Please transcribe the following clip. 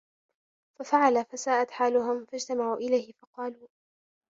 فَفَعَلَ فَسَاءَتْ حَالُهُمْ فَاجْتَمَعُوا إلَيْهِ فَقَالُوا